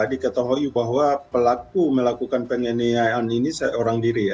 diketahui bahwa pelaku melakukan penganiayaan ini seorang diri ya